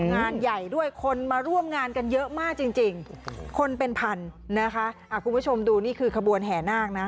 งานใหญ่ด้วยคนมาร่วมงานกันเยอะมากจริงคนเป็นพันนะคะคุณผู้ชมดูนี่คือขบวนแห่นาคนะ